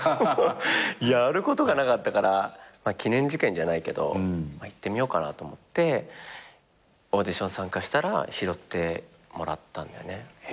やることがなかったから記念受験じゃないけどいってみようかなと思ってオーディション参加したら拾ってもらったんだよね。